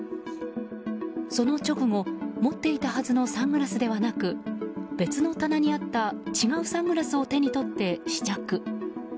その直後、持っていたはずのサングラスではなく別の棚にあった違うサングラスを手に取って試着。